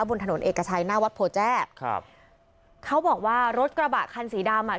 บนถนนเอกชัยหน้าวัดโพแจ้ครับเขาบอกว่ารถกระบะคันสีดำอ่ะ